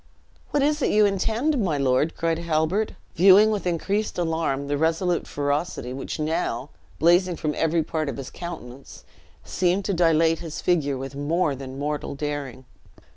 "What is it you intend, my lord?" cried Halbert, viewing with increased alarm the resolute ferocity which now, blazing from every part of his countenance, seemed to dilate his figure with more than mortal daring.